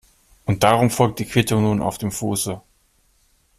Und darum folgt die Quittung nun auf dem Fuße.